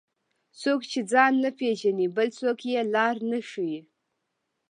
څوک چې ځان نه پیژني، بل څوک یې لار نه ښيي.